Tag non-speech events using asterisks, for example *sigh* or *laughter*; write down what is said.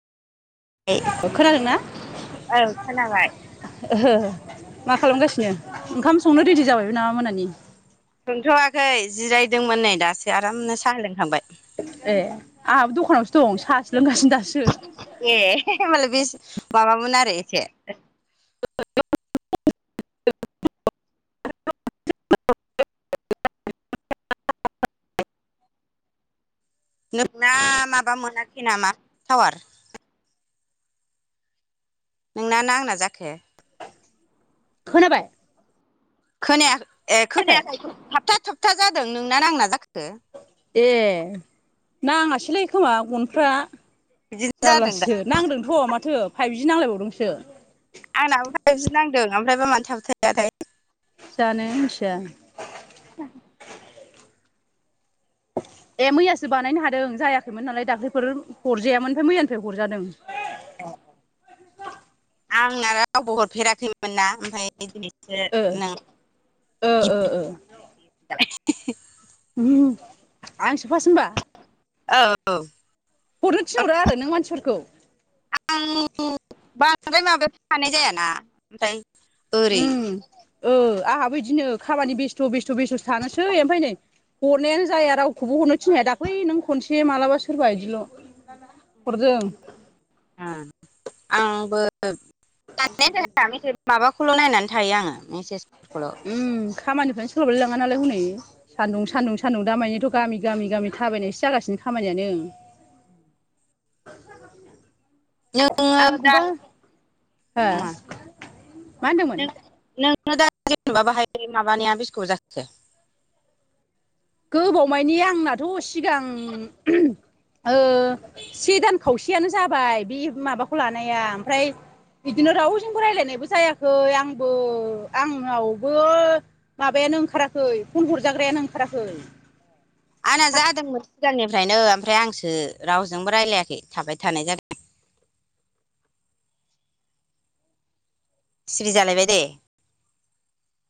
खोनादोंना? औ खोनाबाय *unintelligible* मा खालामगासिनो ओंखाम संनो रेडि जाबायबो नामा मोनानि? सोंथ'वाखै जिरायदोंमोन नै दासो आरामनो साहा लोंखांबाय। ए आंहाबो दखानावसो दं साहासो लोंगासिन ए ओमबालाय बे माबामोन आरो एसे *unintelligible* नोंना माबा मोनाखै नामा थावार? नोंना ना आंना जाखो? खोनाबाय? खोनाया ए खोनायाखै थाबथा थाबथा जादों नोंना नांना जाखो? ए नांङासैलाय खोमा गनफ्रा बिदिनो जादों दा जारलासो नांदोंथ' माथो फाइभ जि नांलायबावदोंसो। आंनाबो फाइभ जि नांदों ओमफ्रायबा मानो थाबथाया थाय जानो मिथिया। *inaudible* ए मैयासो बानायनो हादों जायाखैमोन नालाय दाख्लैफोर हरजायामोन ओमफ्राय मैयानिफ्राय हरजादों। अ आंना रावबो हरफेराखैमोन ना ओमफाय ओ ओ *unintelligible* उम आंसो फार्स्ट होमबा औ। हरनो औ थिनहरा आरो नों मानसिफोरखौ? ओमफ्राय माबायाव थानाय जायाना ओमफ्राय ओरै उम औ आंहाबो इदिनो खामानि बेस्थ' बेस्थ' बेस्थ' थानोसै ओमफ्राय नै हरनायानो जाया रावखौबो हरनो थिननायाया दाख्लै नों खनसे मालाबा सोरबा इदिल' हरदों। आंबो दाननायानो जाया माबाखौल' नायनानै थायो आङो मेसेज उम खामानिखौ सोलाबलाय लाङा नालाय हनै सान्दुं सान्दुं सान्दुं दामानिथ' गामि गामि गामि थाबायनायसो जागासिनो खामानियानो। *inaudible* आं एखमबा *unintelligible* हो मा मा होनदोंमोन? माबाहाय माबानाया बेसे गोबाव जाखो? *unintelligible* गोबावमानि आंनाथ' सिगां ओ से दान खावसेयानो जाबाय बे माबाखौ लानाया ओमफ्राय बिदिनो रावजोंबो रायलायनायबो जायाखै आंबो आंनावबो माबाया नो ओंखाराखै फन हरजाग्रायानो ओंखाराखै। आंना साखि जादोंमोन सिगांनिफ्रायनो ओमफ्राय आंसो रावजोंबो रायलायाखै थाबाय थानाय जादों। सिरि जालायबाय दे